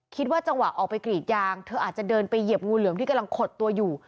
จังหวะออกไปกรีดยางเธออาจจะเดินไปเหยียบงูเหลือมที่กำลังขดตัวอยู่